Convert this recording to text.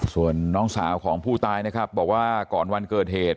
ส่วนน้องสาวของผู้ตายนะครับบอกว่าก่อนวันเกิดเหตุ